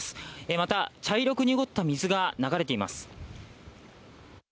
また、茶色く濁った水が流れています。